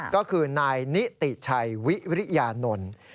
ก็คือนายนิติชัยวิริยานนท์